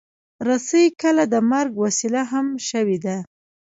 رسۍ کله د مرګ وسیله هم شوې ده.